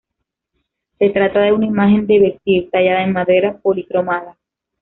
Se trata de una imagen de vestir, tallada en madera, policromada.